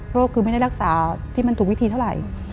ก็คือไม่ได้รักษาที่มันถูกวิธีเท่าไหร่